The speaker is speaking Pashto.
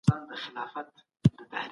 تاريخي مطالعې د ټولني ذهن روښانه کوي.